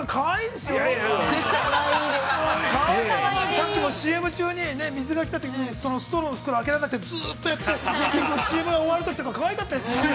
さっきもＣＭ中に水が来たときに、そのストローの袋、開けられなくてずうっとやって、ＣＭが終わるときとかかわいかったですよ？